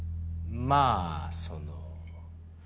まあその。